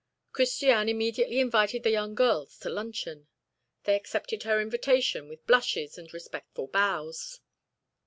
Christiane immediately invited the young girls to luncheon. They accepted her invitation with blushes and respectful bows.